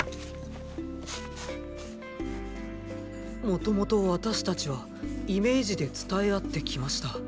もともと私たちはイメージで伝え合ってきました。